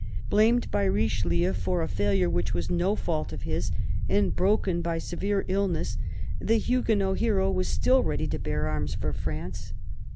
Blamed by Richelieu for a failure which was no fault of his, and broken by severe illness, the Huguenot hero was still ready to bear arms for France.